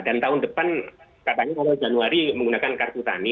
dan tahun depan katanya kalau januari menggunakan kartu tani